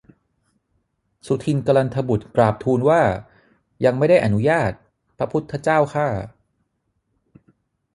สุทินน์กลันทบุตรกราบทูลว่า ยังไม่ได้อนุญาต พระพุทธเจ้าข้า